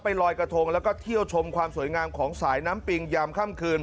ลอยกระทงแล้วก็เที่ยวชมความสวยงามของสายน้ำปิงยามค่ำคืน